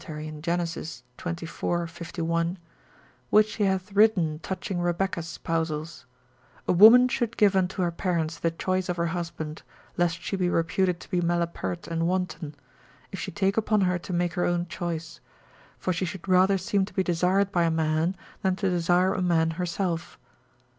in Genesis xxiv. 51), which he hath written touching Rebecca's spousals, A woman should give unto her parents the choice of her husband, lest she be reputed to be malapert and wanton, if she take upon her to make her own choice; for she should rather seem to be desired by a man, than to desire a man herself.